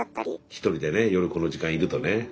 １人でね夜この時間いるとね。